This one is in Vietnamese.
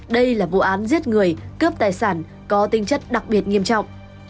đây là vụ án giết người cướp tài sản có tinh chất đặc biệt nghiêm trọng